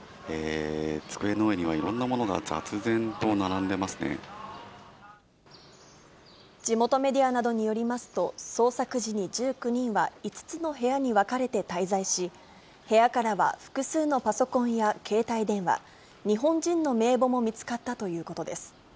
机の上には、いろんなものが雑然地元メディアなどによりますと、捜索時に、１９人は５つの部屋に分かれて滞在し、部屋からは複数のパソコンや携帯電話、日本人の名簿も見つかったということです。